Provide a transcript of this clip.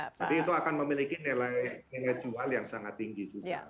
tapi itu akan memiliki nilai jual yang sangat tinggi juga